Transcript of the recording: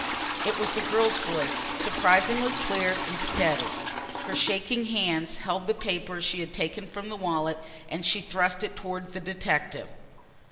It was the girl's voice, surprisingly clear and steady. Her shaking hands held the paper she had taken from the wallet and she thrust it toward the detective.